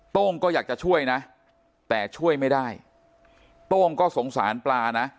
โต้งก็อยากจะช่วยนะแต่ช่วยไม่ได้โต้งก็สงสารปลานะ